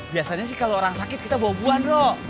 biasanya sih kalau orang sakit kita bawa buahan bro